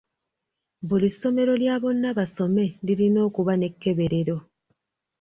Buli ssomero lya bonnabasome lirina okuba n'ekkeberero.